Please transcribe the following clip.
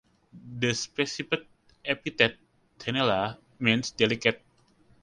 The specific epithet ("tenella") means "delicate".